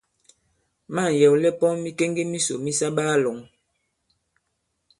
Ma᷇ŋ yɛ̀wlɛ pɔn mikeŋge misò mi sa baa-lɔ̄ŋ.